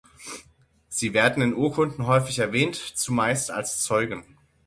Sie werden in Urkunden häufig erwähnt, zumeist als Zeugen.